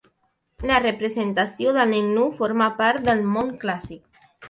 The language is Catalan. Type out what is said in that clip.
La representació del nen nu forma part del món clàssic.